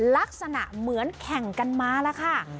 ลักษณะเหมือนแข่งกันมาแล้วค่ะ